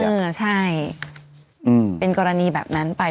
เออใช่เป็นกรณีแบบนั้นไป